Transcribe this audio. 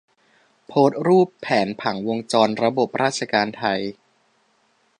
โพสรูปแผนผังวงจรระบบราชการไทย